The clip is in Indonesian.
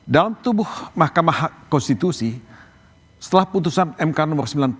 dalam tubuh mahkamah konstitusi setelah putusan mk no sembilan puluh